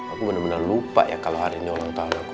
aku bener bener lupa ya kalo hari ini ulang tahun aku